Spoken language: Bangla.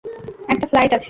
একটা ফ্লাইট আছে।